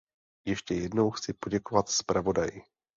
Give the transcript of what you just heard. Ještě jednou chci poděkovat zpravodaji.